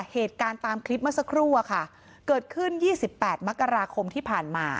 เหตุการณ์ตามคลิปเมื่อสักครู่อะค่ะเกิดขึ้น๒๘มกราคมที่ผ่านมา